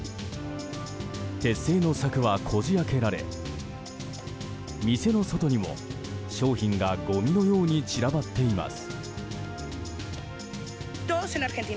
鉄製の柵はこじ開けられ店の外にも、商品がごみのように散らばっています。